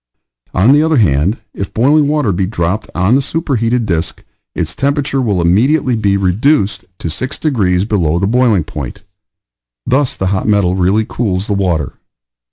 On the other hand, if boiling water be dropped on the superheated disk its temperature will immediately be REDUCED to six degrees below the boiling point; thus the hot metal really cools the water.